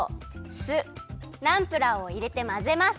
酢ナンプラーをいれてまぜます。